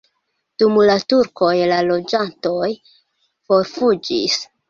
Dum la turkoj la loĝantoj forfuĝis.